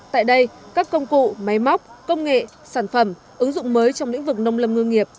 tại đây các công cụ máy móc công nghệ sản phẩm ứng dụng mới trong lĩnh vực nông lâm ngư nghiệp